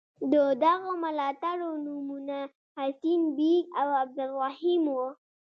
د دغو ملاتړو نومونه حسین بېګ او عبدالرحیم وو.